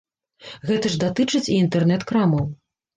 Гэта ж датычыць і інтэрнэт-крамаў.